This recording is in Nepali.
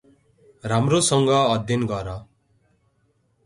राम्रो सँग अध्ययन गर ।